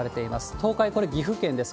東海、これ岐阜県です。